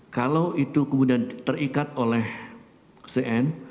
kalau itu kemudian terikat oleh cn